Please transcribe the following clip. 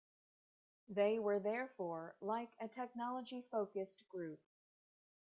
They were therefore like a "technology-focused" group.